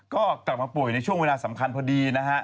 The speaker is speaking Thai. ก็กลับมาป่วยในช่วงเวลาสำคัญพอดีนะฮะ